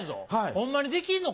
ホンマにできんのか？